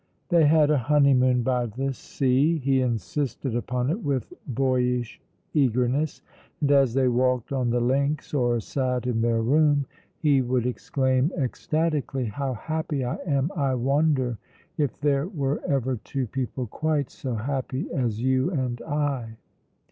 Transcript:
They had a honeymoon by the sea. He insisted upon it with boyish eagerness, and as they walked on the links or sat in their room he would exclaim ecstatically: "How happy I am! I wonder if there were ever two people quite so happy as you and I!"